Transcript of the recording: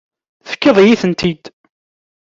Tefkiḍ-iyi-tent-id.